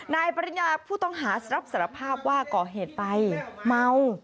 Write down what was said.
ปริญญาผู้ต้องหารับสารภาพว่าก่อเหตุไปเมา